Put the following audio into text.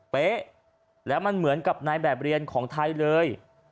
เป๊ะแล้วมันเหมือนกับในแบบเรียนของไทยเลย